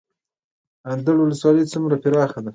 اندړ ولسوالۍ څومره پراخه ده؟